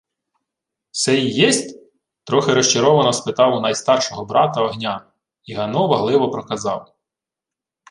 — Се й єсть? — трохи розчаровано спитав у найстаршого брата Огнян, і Гано вагливо проказав: